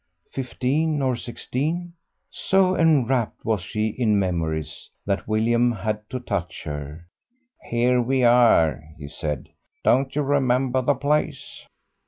Fifteen or sixteen. So enwrapped was she in memories that William had to touch her. "Here we are," he said; "don't you remember the place?"